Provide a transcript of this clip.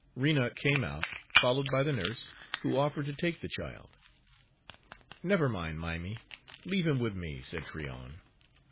Rena came out, followed by the nurse, who offered to take the child. "Never mind, Mimy, leave him with me," said Tryon.